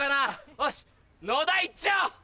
おし野田行っちゃおう！